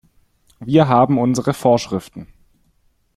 Wir haben unsere Vorschriften.